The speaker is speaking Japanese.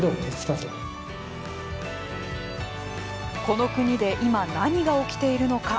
この国で今、何が起きているのか。